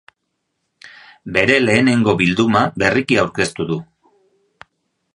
Bere lehenengo bilduma berriki aurkeztu du.